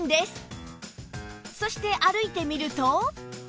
そして歩いてみると